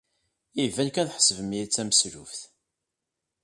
Iban kan tḥesbem-iyi d tameslubt.